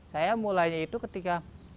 saya mulainya itu ketika